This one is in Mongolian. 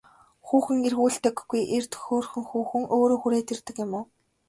Хүүхэн эргүүлдэггүй эрд хөөрхөн хүүхэн өөрөө хүрээд ирдэг юм уу?